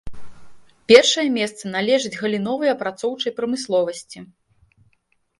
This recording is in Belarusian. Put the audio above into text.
Першае месца належыць галіновай апрацоўчай прамысловасці.